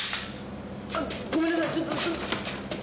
・あっごめんなさいちょっ。